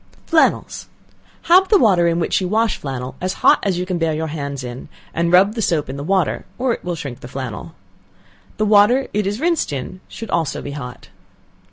Flannels. Have the water in which you wash flannel as hot as you can bear your hands in, and rub the soap in the water, or it will shrink the flannel. The water it is rinsed in should also be hot.